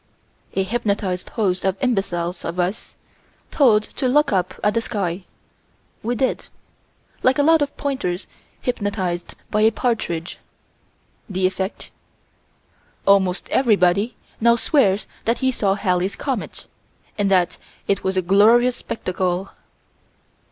A hypnotized host of imbeciles of us: told to look up at the sky: we did like a lot of pointers hypnotized by a partridge. The effect: Almost everybody now swears that he saw Halley's comet, and that it was a glorious spectacle.